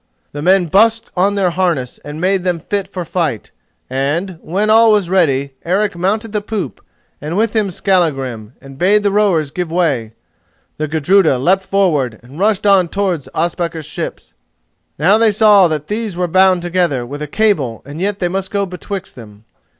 The men busked on their harness and made them fit for fight, and, when all was ready, Eric mounted the poop, and with him Skallagrim, and bade the rowers give way. The Gudruda leapt forward and rushed on towards Ospakar's ships. Now they saw that these were bound together with a cable and yet they must go betwixt them.